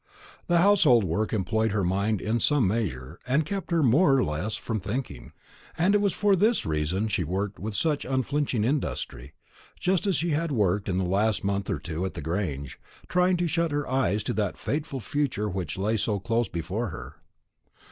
The household work employed her mind in some measure, and kept her, more or less, from thinking; and it was for this reason she worked with such unflinching industry, just as she had worked in the last month or two at the Grange, trying to shut her eyes to that hateful future which lay so close before her.